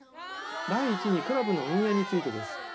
第一にクラブの運営についてです。